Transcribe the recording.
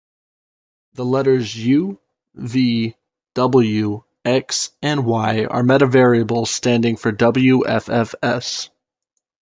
The letters "U", "V", "W", "X", and "Y" are metavariables standing for wffs.